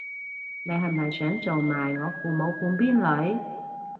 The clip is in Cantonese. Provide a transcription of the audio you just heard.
你係咪想做埋我父母半邊女